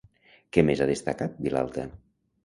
Què més ha declarat, Vilalta?